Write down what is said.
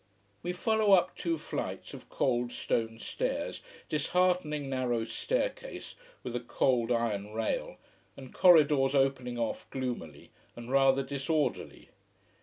We follow up two flights of cold stone stairs, disheartening narrow staircase with a cold iron rail, and corridors opening off gloomily and rather disorderly.